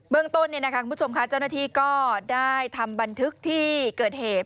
เรื่องต้นคุณผู้ชมค่ะเจ้าหน้าที่ก็ได้ทำบันทึกที่เกิดเหตุ